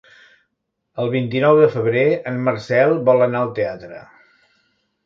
El vint-i-nou de febrer en Marcel vol anar al teatre.